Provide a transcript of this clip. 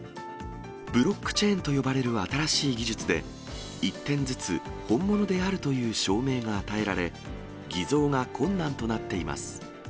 ブロックチェーンと呼ばれる新しい技術で、１点ずつ本物であるという証明が与えられ、偽造が困難となっています。